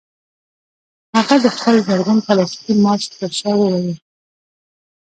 هغه د خپل زرغون پلاستيکي ماسک ترشا وویل